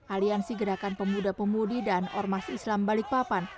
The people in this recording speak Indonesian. aliansi gerakan pemuda pemudi dan ormas islam balikpapan